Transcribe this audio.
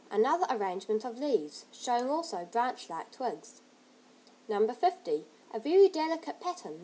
Another arrangement of leaves, showing also branch like twigs. No. 50. A very delicate pattern.